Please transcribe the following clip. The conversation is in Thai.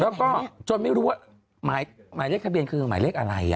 แล้วก็จนไม่รู้ว่าหมายเลขทะเบียนคือหมายเลขอะไร